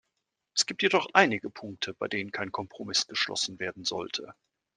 Es gibt jedoch einige Punkte, bei denen kein Kompromiss geschlossen werden sollte.